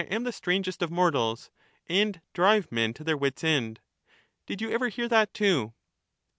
Thtaetitus, the Strangest of mortals and drive men to their wits' end. Did you ever hear that too